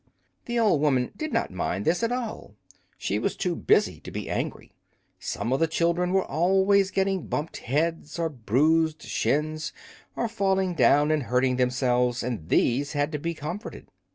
The old woman did not mind this at all; she was too busy to be angry. Some of the children were always getting bumped heads or bruised shins, or falling down and hurting themselves, and these had to be comforted.